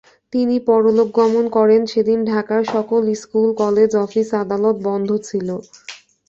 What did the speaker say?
তিনি পরলোকগমন করেন সেদিন ঢাকার সকল স্কুল, কলেজ, অফিস-আদালত বন্ধ ছিল।